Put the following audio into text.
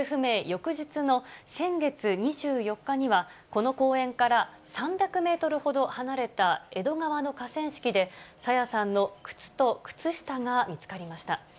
翌日の先月２４日には、この公園から３００メートルほど離れた江戸川の河川敷で、朝芽さんの靴と靴下が見つかりました。